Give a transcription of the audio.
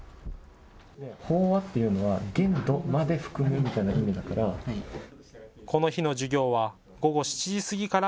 飽和っていうのは限度まで含むみたいな意味だから。